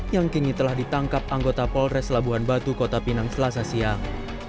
yang kini telah ditangkap anggota polres labuan batu kota pinang selasa siang